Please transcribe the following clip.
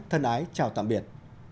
thân ái chào tạm biệt